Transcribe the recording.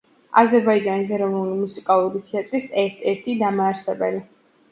აზერბაიჯანის ეროვნული მუსიკალური თეატრის ერთ-ერთი დამაარსებელი.